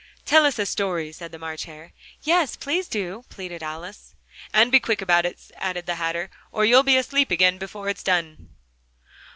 "Tell us a story!" said the March Hare. "Yes, please do!" pleaded Alice. "And be quick about it," added the Hatter, "or you'll be asleep again before it's done."